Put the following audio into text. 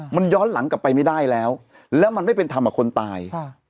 มันย้อนหลังกลับไปไม่ได้แล้วแล้วมันไม่เป็นธรรมกับคนตาย